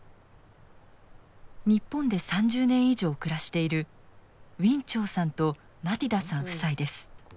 日本で３０年以上暮らしているウィン・チョウさんとマティダさん夫妻です。